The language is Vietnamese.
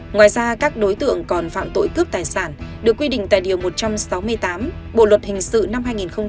ngoài ra các đối tượng còn phạm tội cướp tài sản được quy định tại điều một trăm sáu mươi tám bộ luật hình sự năm hai nghìn một mươi năm